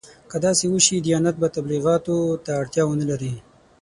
که داسې وشي دیانت به تبلیغاتو ته اړتیا ونه لري.